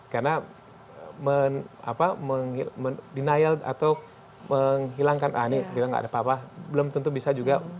karena menghilangkan ah ini tidak ada apa apa belum tentu bisa juga